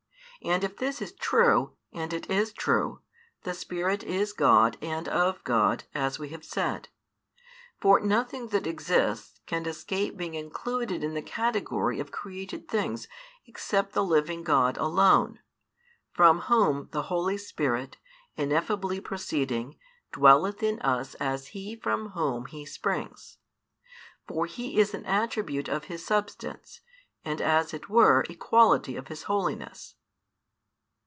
And if this is true, and it is true, the Spirit is God and of God, as we have said. For nothing that exists can escape being included in the category of created things except the living God alone, from Whom the Holy Spirit, ineffably proceeding, dwelleth in us as He from Whom He springs. For He is an attribute of His Substance, and as it were a quality of His holiness.